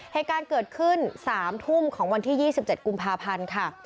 เหตุการณ์เกิดขึ้น๓ทุ่มของวันที่๒๗กุมภาพันธ์ค่ะ